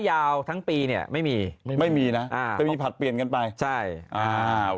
ยาวทั้งปีเนี้ยไม่มีไม่มีนะอ่าจะมีผลัดเปลี่ยนกันไปใช่อ่า